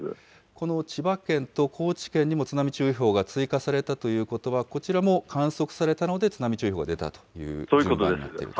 この千葉県と高知県にも津波注意報が追加されたということは、こちらも観測されたので、津波注意報が出たという順番になっていると。